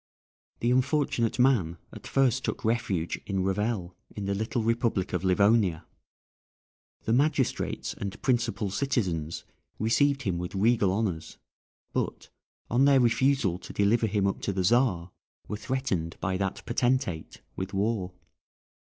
The unfortunate man at first took refuge in Revel, in the little republic of Livonia. The magistrates and principal citizens received him with regal honours, but, on their refusal to deliver him up to the Czar, were threatened by that potentate with war.